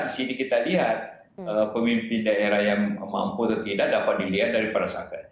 di sini kita lihat pemimpin daerah yang mampu atau tidak dapat dilihat dari perasaan